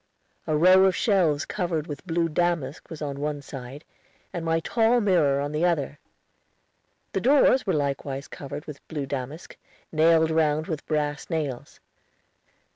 A row of shelves covered with blue damask was on one side, and my tall mirror on the other. The doors were likewise covered with blue damask, nailed round with brass nails.